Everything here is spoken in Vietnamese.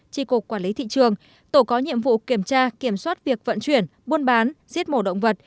tri cục quản lý thị trường tổ có nhiệm vụ kiểm tra kiểm soát việc vận chuyển buôn bán giết mổ động vật